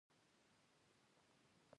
منل د سولې دروازه ده.